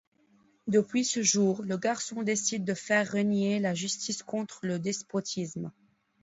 Depuis ce jour, le garçon décide de faire régner la justice contre le despotisme.